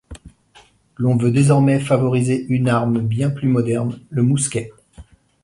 L’on veut désormais favoriser une arme bien plus moderne, le mousquet.